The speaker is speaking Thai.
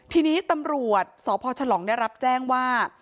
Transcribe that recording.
ทีนี้ตำรวจสพฉลองได้รับแจ้งว่า